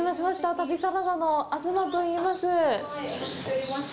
旅サラダの東といいます。